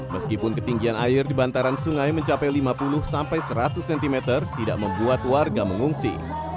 meskipun ketinggian air di bantaran sungai mencapai lima puluh sampai seratus cm tidak membuat warga mengungsi